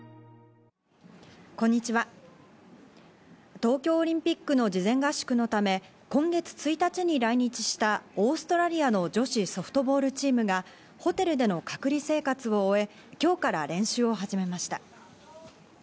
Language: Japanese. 東京オリンピックの事前合宿のため、今月１日に来日したオーストラリアの女子ソフトボールチームがホテルでの隔離生活を終え、今日から練習を始めました。